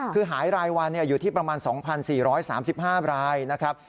คือหายรายวันอยู่ที่ประมาณ๒๔๓๕รายนะครับ